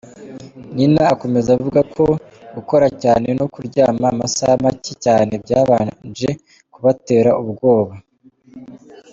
Nina akomeza avuga ko gukora cyane no kuryama amasaha make cyane byabanje kubatera ubwoba.